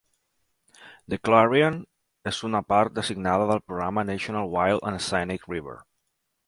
The Clarion és una part designada del programa National Wild and Scenic River.